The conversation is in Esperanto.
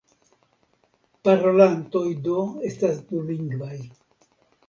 Parolantoj do estas dulingvaj.